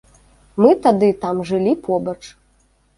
Мы тады там жылі побач.